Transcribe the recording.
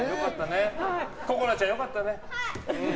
心愛ちゃん、良かったね。